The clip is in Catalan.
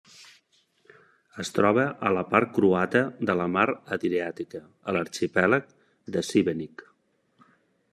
Es troba a la part croata de la Mar Adriàtica, a l'arxipèlag de Šibenik.